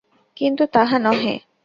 কিন্তু তাহা নহে।